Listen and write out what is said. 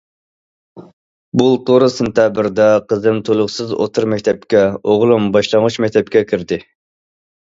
بۇلتۇر سېنتەبىردە قىزىم تولۇقسىز ئوتتۇرا مەكتەپكە، ئوغلۇم باشلانغۇچ مەكتەپكە كىردى.